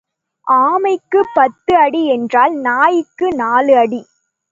ஆமைக்குப் பத்து அடி என்றால் நாய்க்கு நாலு அடி.